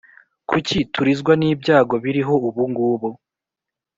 Kuki turizwa nibyago biriho ubungubu